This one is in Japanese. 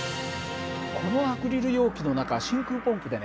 このアクリル容器の中は真空ポンプでね